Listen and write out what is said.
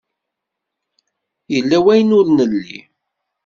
Yella wayen ur nelli.